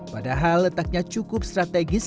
padahal letaknya cukup strategis